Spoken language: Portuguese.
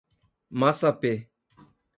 Massapê